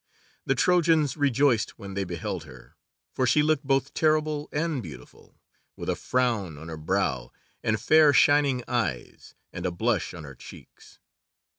The Trojans rejoiced when they beheld her, for she looked both terrible and beautiful, with a frown on her brow, and fair shining eyes, and a blush on her cheeks.